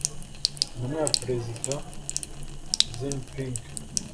Intumwa ya Perezida Xinping